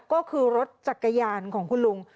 ก็คือรถจักรยานของคุณลุง